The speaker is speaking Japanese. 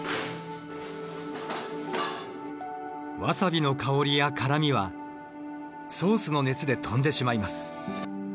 ワサビの香りや辛みはソースの熱で飛んでしまいます。